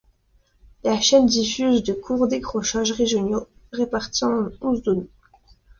La chaîne diffuse de courts décrochages régionaux répartis en onze zones.